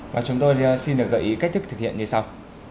và chúng tôi xin được gợi ý cách thức thực hiện như sau